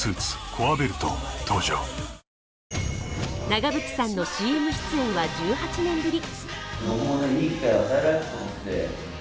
長渕さんのＣＭ出演は１８年ぶり。